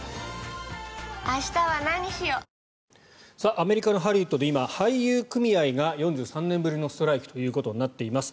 アメリカのハリウッドで今、俳優組合が４３年ぶりのストライキということになっています。